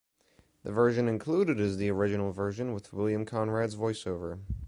The version included is the original version with William Conrad's voiceover.